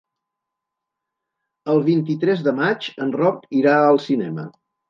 El vint-i-tres de maig en Roc irà al cinema.